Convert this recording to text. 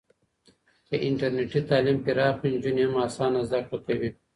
که انټرنېټي تعلیم پراخ وي، نجونې هم اسانه زده کړه کوي.